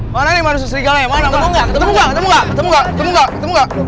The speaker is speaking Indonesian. mana nih manusia serigala yang mana ketemu nggak ketemu nggak ketemu nggak ketemu nggak ketemu nggak